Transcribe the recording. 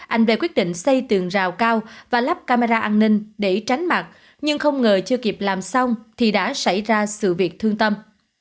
anh về quyết định xây tường rào cao và lắp camera an ninh để tránh mặt nhưng không ngờ chưa kịp làm xong thì đã xảy ra sự việc thương tâm